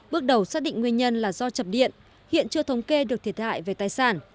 bước đầu xác định nguyên nhân là do chập điện hiện chưa thống kê được thiệt hại về tài sản